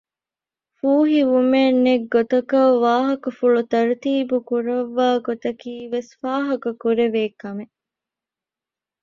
ފޫހިވުމެއް ނެތް ގޮތަކަށް ވާހަކަފުޅު ތަރުތީބު ކުރައްވާ ގޮތަކީ ވެސް ފާހަގަކުރެވޭ ކަމެއް